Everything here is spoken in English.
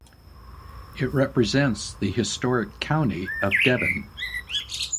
It represents the historic county of Devon.